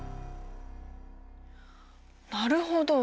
なるほど。